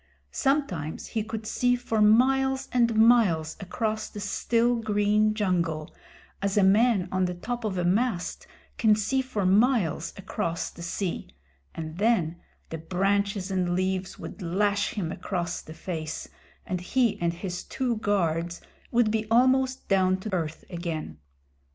Sometimes he could see for miles and miles across the still green jungle, as a man on the top of a mast can see for miles across the sea, and then the branches and leaves would lash him across the face, and he and his two guards would be almost down to earth again.